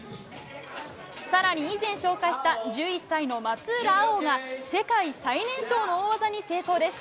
更に、以前紹介した１１歳の松浦葵央が世界最年少の大技に成功です。